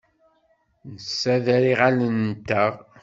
Nessader iɣallen-nteɣ.